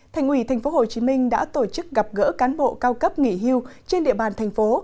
thành ủy tp hcm đã tổ chức gặp gỡ cán bộ cao cấp nghỉ hưu trên địa bàn thành phố